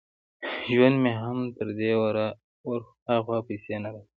ژوند مې هم تر دې ور هاخوا پيسې نه را کوي.